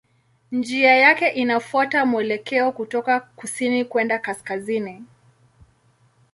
Njia yake inafuata mwelekeo kutoka kusini kwenda kaskazini.